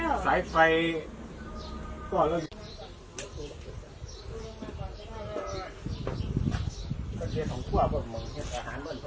นั่นนี่แหละค่ะมาแหละต้องเป็นข่าวแล้วอยู่ข้างหลังนี้เองมานี่